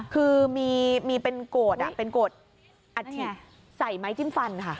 คือมีเป็นโกรธเป็นโกรธอัฐิใส่ไม้จิ้มฟันค่ะ